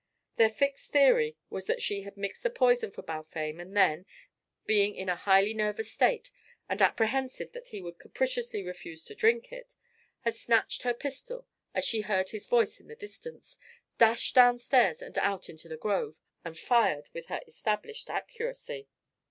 Their fixed theory was that she had mixed the poison for Balfame and then, being in a highly nervous state, and apprehensive that he would capriciously refuse to drink it, had snatched her pistol as she heard his voice in the distance, dashed downstairs and out into the grove, and fired with her established accuracy.